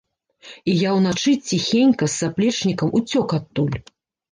І я ўначы, ціхенька, з заплечнікам уцёк адтуль.